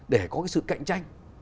để có cái sự cạnh tranh